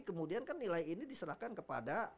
kemudian kan nilai ini diserahkan kepada